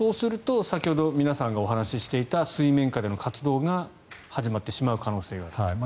そうすると先ほど皆さんがお話しししてた水面下での活動が始まってしまいます。